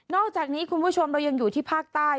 อกจากนี้คุณผู้ชมเรายังอยู่ที่ภาคใต้